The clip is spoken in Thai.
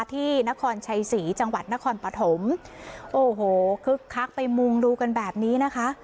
ที่นครชัยศรีจังหวัดนครปฐมโอ้โหคึกคักไปมุงดูกันแบบนี้นะคะ